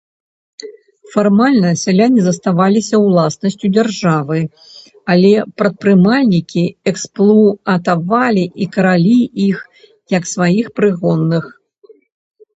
Фармальна сяляне заставаліся ўласнасцю дзяржавы, але прадпрымальнікі эксплуатавалі і каралі іх як сваіх прыгонных.